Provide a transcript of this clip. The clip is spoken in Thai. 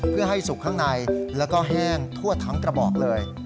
เพื่อให้สุกข้างในแล้วก็แห้งทั่วทั้งกระบอกเลย